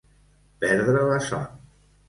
Perdre la son.